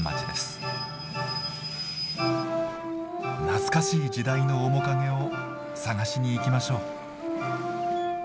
懐かしい時代の面影を探しにいきましょう。